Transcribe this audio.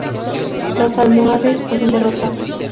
Los almohades fueron derrotados.